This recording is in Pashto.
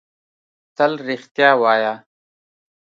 تل رښتیا وایۀ!